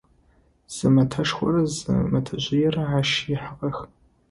Зы мэтэшхорэ зы мэтэжъыерэ ащ ыхьыгъэх.